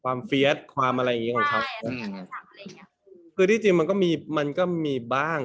ความเฟียดความอะไรอย่างนี้ของเขาคือที่จริงมันก็มีบ้าง